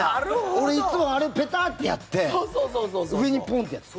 俺いつもあれ、ペタッてやって上にポンッてやってる。